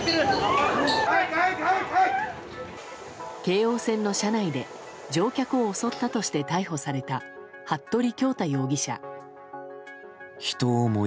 京王線の車内で乗客を襲ったとして逮捕された服部恭太容疑者。